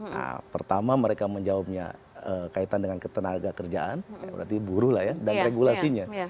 nah pertama mereka menjawabnya kaitan dengan ketenaga kerjaan berarti buruh lah ya dan regulasinya